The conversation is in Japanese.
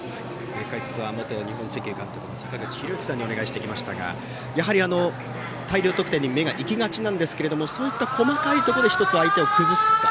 解説は元日本石油監督の坂口裕之さんにお願いしてきましたがやはり大量得点に目が行きがちなんですがそういった細かいところで１つ、相手を崩した。